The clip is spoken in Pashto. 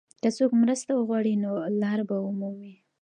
که څوک مرسته وغواړي، نو لار به ومومي.